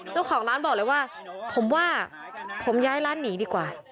เจ้าของร้านบอกเลยว่าผมว่าผมย้ายร้านหนีดีกว่า